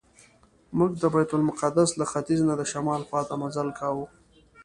موږ د بیت المقدس له ختیځ نه د شمال خواته مزل کاوه.